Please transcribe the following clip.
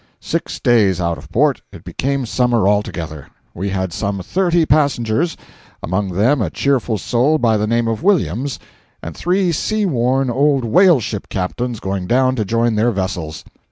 Six days out of port, it became summer altogether. We had some thirty passengers; among them a cheerful soul by the name of Williams, and three sea worn old whaleship captains going down to join their vessels.